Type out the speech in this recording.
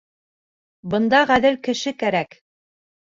Бында ғәҙел кеше кәрәк.